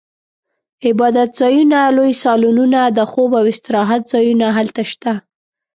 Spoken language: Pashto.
عبادتځایونه، لوی سالونونه، د خوب او استراحت ځایونه هلته شته.